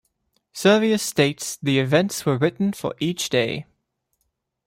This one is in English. Servius states the events were written for each day.